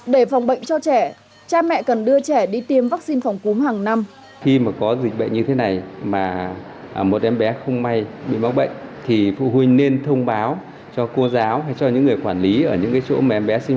để phòng bệnh cho trẻ cha mẹ cần đưa trẻ đi tiêm vaccine phòng cúm hàng năm